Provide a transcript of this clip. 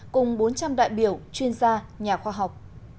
cùng bốn trăm linh đại biểu chuyên gia nhà khoa học